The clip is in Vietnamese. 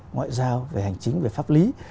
ngoại giao về hành chính về pháp lý